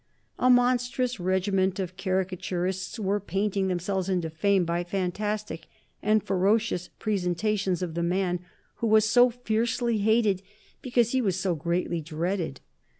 A monstrous regiment of caricaturists were painting themselves into fame by fantastic and ferocious presentations of the man who was so fiercely hated because he was so greatly dreaded.